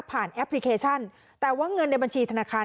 แอปพลิเคชันแต่ว่าเงินในบัญชีธนาคาร